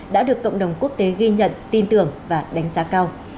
đã được cộng đồng quốc tế ghi nhận tin tưởng và đánh giá cao